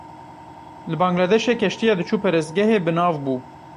Li Bangladeşê keştiya diçû perestgehê binav bû.